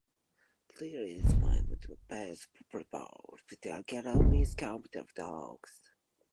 Theresa May unveils measures including ending payoffs for senior officers found guilty of misconduct.